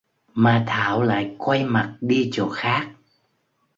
mà thảo lại quay mặt đi chỗ khác